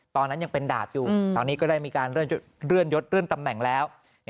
ตอนนั้นยังเป็นดาบอยู่ตอนนี้ก็ได้มีการเลื่อนยดเลื่อนตำแหน่งแล้ว